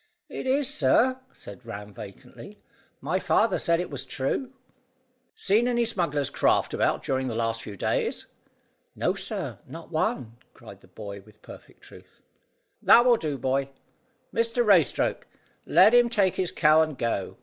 "Is it, sir?" said Ram vacantly. "My father said it was true." "Seen any smugglers' craft about during the last few days?" "No, sir; not one," cried the boy with perfect truth. "That will do, boy. Mr Raystoke let him take his cow and go."